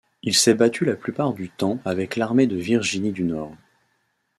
Il s'est battu la plupart du temps avec l'armée de Virginie du Nord.